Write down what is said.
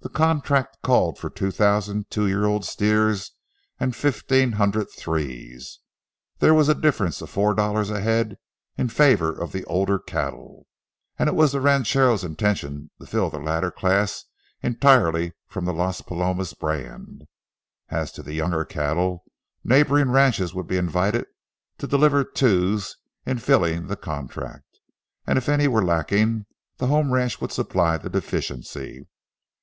The contract called for two thousand two year old steers and fifteen hundred threes. There was a difference of four dollars a head in favor of the older cattle, and it was the ranchero's intention to fill the latter class entirely from the Las Palomas brand. As to the younger cattle, neighboring ranches would be invited to deliver twos in filling the contract, and if any were lacking, the home ranch would supply the deficiency.